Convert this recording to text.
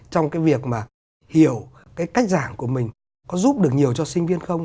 trong cái việc mà hiểu cái cách giảng của mình có giúp được nhiều cho sinh viên không